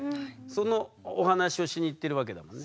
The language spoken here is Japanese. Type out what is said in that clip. そのお話をしに行ってるわけだもんね。